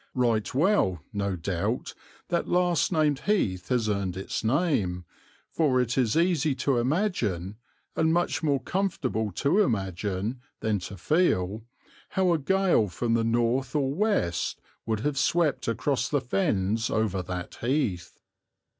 Right well, no doubt, that last named heath has earned its name, for it is easy to imagine, and much more comfortable to imagine than to feel, how a gale from the north or west would have swept across the fens over that heath.